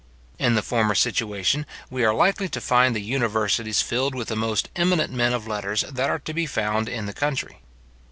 In the former situation, we are likely to find the universities filled with the most eminent men of letters that are to be found in the country.